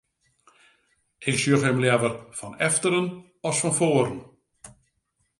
Ik sjoch him leaver fan efteren as fan foaren.